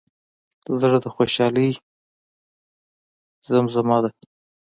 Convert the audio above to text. زړه د خوشحالۍ زیمزمه ده.